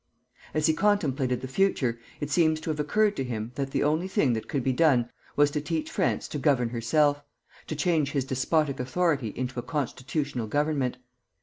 As he contemplated the future, it seems to have occurred to him that the only thing that could be done was to teach France to govern herself, to change his despotic authority into a constitutional government.